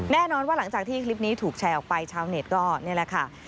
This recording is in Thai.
แน่นอนว่าหลังจากที่คลิปนี้ถูกแชร์ออกไปชาวเน็ตก็นี่แหละค่ะ